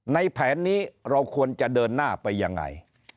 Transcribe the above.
แผนนี้เราควรจะเดินหน้าไปยังไง